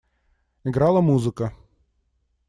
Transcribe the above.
Играла музыка.